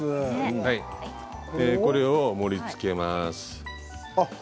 これを盛りつけます。